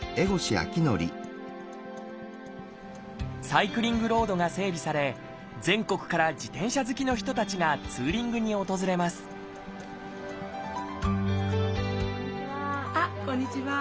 サイクリングロードが整備され全国から自転車好きの人たちがツーリングに訪れますあっこんにちは。